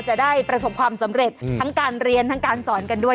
จะได้ประสบความสำเร็จทั้งการเรียนทั้งการสอนกันด้วย